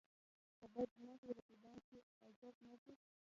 که بد مخي رقیبان شي عجب نه دی.